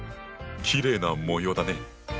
きれいな模様だね。